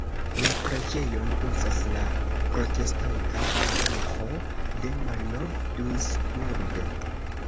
La preĝejon uzas la protestanta paroĥo de Malnov-Duisburg.